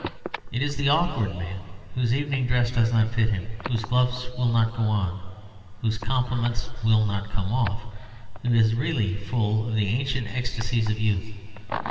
It is the awkward man, whose evening dress does not fit him, whose gloves will not go on, whose compliments will not come off, who is really full of the ancient ecstasies of youth.